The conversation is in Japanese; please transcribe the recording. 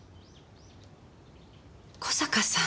小坂さん？